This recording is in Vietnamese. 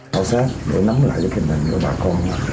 họ sẽ nắm lại tình hình của bà con